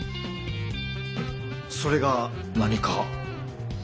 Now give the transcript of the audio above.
それが何か？